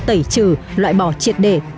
tẩy trừ loại bỏ triệt để